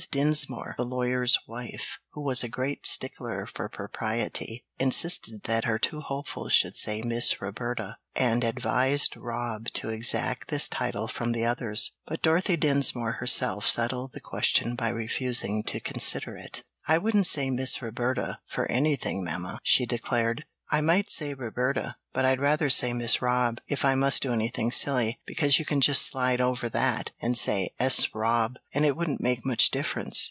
Dinsmore, the lawyer's wife, who was a great stickler for propriety, insisted that her two hopefuls should say "Miss Roberta," and advised Rob to exact this title from the others. But Dorothy Dinsmore herself settled the question by refusing to consider it. "I wouldn't say Miss Roberta for anything, mamma," she declared. "I might say Roberta, but I'd rather say Miss Rob, if I must do anything silly, because you can just slide over that, and say ''S Rob' and it wouldn't make much difference."